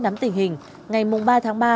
nắm tình hình ngày ba tháng ba